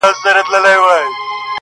له دې نه مخكي چي ته ما پرېږدې,